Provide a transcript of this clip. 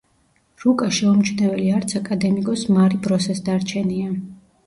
რუკა შეუმჩნეველი არც აკადემიკოს მარი ბროსეს დარჩენია.